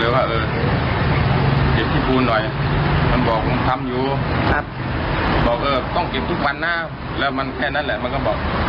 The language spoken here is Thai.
บอกเออต้องเก็บทุกวันหน้าแล้วมันแค่นั้นแหละมันก็บอก